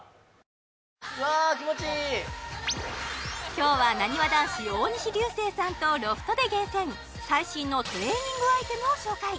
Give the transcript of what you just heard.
今日はなにわ男子大西流星さんとロフトで厳選最新のトレーニングアイテムを紹介